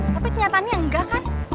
tapi kenyataannya enggak kan